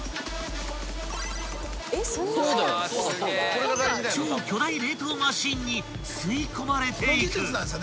［超巨大冷凍マシンに吸い込まれていく］